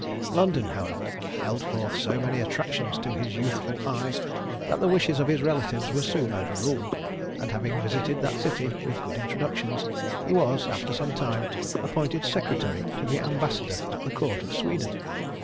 London, however, held forth so many attractions to his youthful eye, that the wishes of his relatives were soon overruled; and having visited that city, with good introductions, he was, after some time, appointed secretary to the ambassador at the court of Sweden.